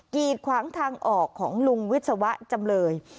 กีดขวางทางออกของลุงวิศวะจำเลย